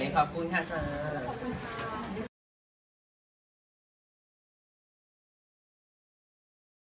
ขอบคุณค่ะเชิญ